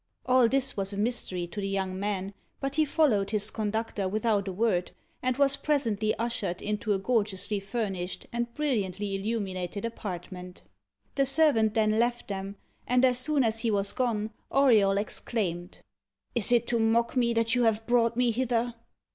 All this was a mystery to the young man, but he followed his conductor without a word, and was presently ushered into a gorgeously furnished and brilliantly illuminated apartment. The servant then left them; and as soon as he was gone Auriol exclaimed, "Is it to mock me that you have brought me hither?"